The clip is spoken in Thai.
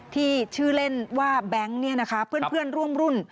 ที่ชื่อเล่นว่าแบงค์เพื่อนร่วมรุ่น